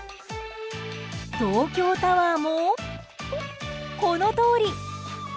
東京タワーも、このとおり。